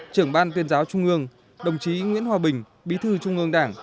trưởng ban tuyên giáo trung ương đồng chí nguyễn hòa bình bí thư trung ương đảng